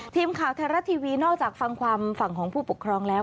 ทีมข่าวไทยรัฐทีวีนอกจากฟังความฝั่งของผู้ปกครองแล้ว